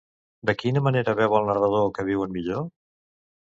De quina manera veu el narrador que viuen millor?